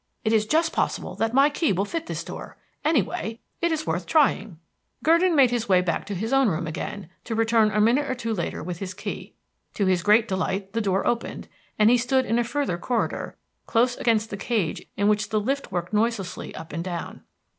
"It is just possible that my key will fit this door. Anyway, it is worth trying." Gurdon made his way back to his own room again, to return a minute or two later with his key. To his great delight the door opened, and he stood in a further corridor, close against the cage in which the lift worked noiselessly up and down.